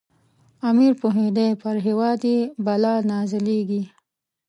امیر پوهېدی پر هیواد یې بلا نازلیږي.